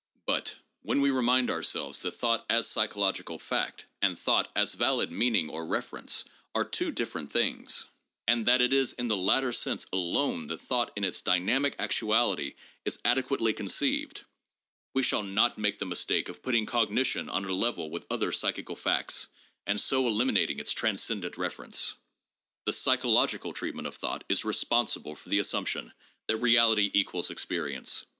But when we remind ourselves that thought as psychological fact and thought as valid meaning or reference are two different things, and that it is in the latter sense alone that thought in its dynamic actuality is adequately conceived, we shall not make the mistake of putting cognition on a level with other psychical facts and so eliminating its transcendent reference. The psychological treatment of thought is responsible for the assumption that reality equals experience.